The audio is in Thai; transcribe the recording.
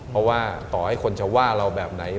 เพราะว่าต่อให้คนจะว่าเราแบบไหน